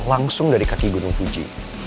langsung dari kaki gunung fuji